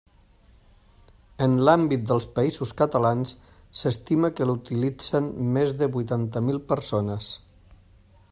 En l'àmbit dels Països Catalans, s'estima que l'utilitzen més de vuitanta mil persones.